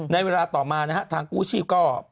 ในเวลาต่อมานะฮะทางกู้ชีพก็